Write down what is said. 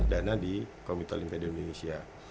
dana di komite olimpia di indonesia